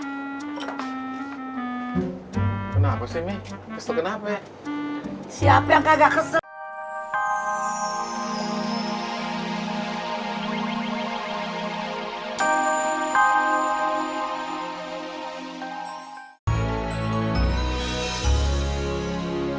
haji maimunah hati gua kesel banget